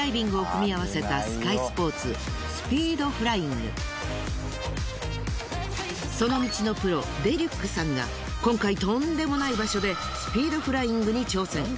所要時間その道のプロデリュックさんが今回とんでもない場所でスピードフライングに挑戦。